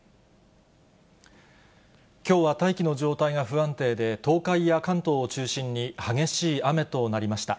きょうは大気の状態が不安定で、東海や関東を中心に激しい雨となりました。